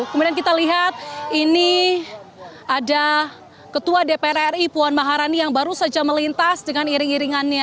kemudian kita lihat ini ada ketua dpr ri puan maharani yang baru saja melintas dengan iring iringannya